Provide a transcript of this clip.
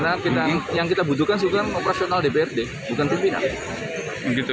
karena yang kita butuhkan adalah operasional dprd bukan pimpinan